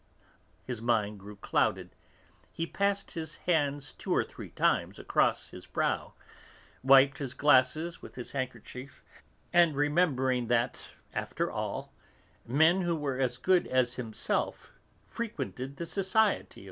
His mind grew clouded; he passed his hands two or three times across his brow, wiped his glasses with his handkerchief, and remembering that, after all, men who were as good as himself frequented the society of M.